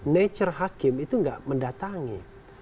nature hakim itu nggak mendatangi